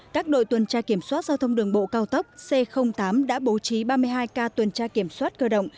các đội tuần tra kiểm soát giao thông đường bộ cao tốc c tám đã bố trí ba mươi hai ca tuần tra kiểm soát cơ động